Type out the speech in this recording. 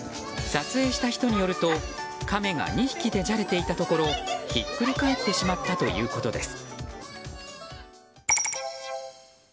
撮影した人によるとカメが２匹でじゃれていたところひっくり返ってしまったということです。